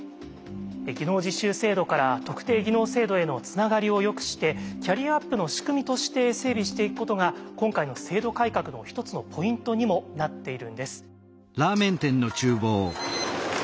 技能実習制度から特定技能制度へのつながりをよくしてキャリアアップの仕組みとして整備していくことが今回の制度改革の一つのポイントにもなっているんです。